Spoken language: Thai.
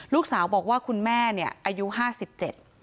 ลูกสาวบอกว่าคุณแม่เนี่ยอายุห้าสิบเจ็ด